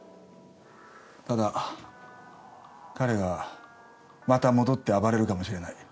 ただ彼がまた戻って暴れるかもしれない。